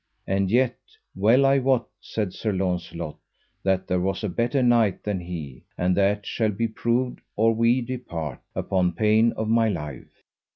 And yet, well I wot, said Sir Launcelot, that there was a better knight than he, and that shall be proved or we depart, upon pain of my life.